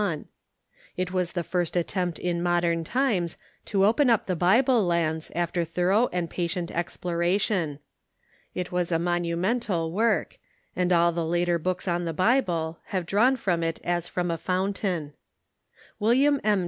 It was the first attempt in modern times to open up the Bible lands after thorough and patient exploration. It was a monumental work, and all the later books on the Bible have drawn from it as from a fountain. William M.